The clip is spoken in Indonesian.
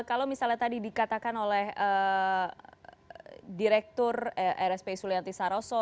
kalau misalnya tadi dikatakan oleh direktur rspi sulianti saroso